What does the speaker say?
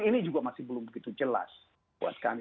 ini juga masih belum begitu jelas buat kami